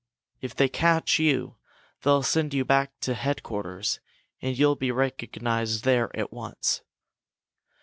If they catch you, they'll send you back to headquarters and you'll be recognized there at once.